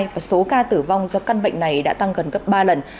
và số ca tử vong do căn bệnh này đã tăng gần gấp ba lần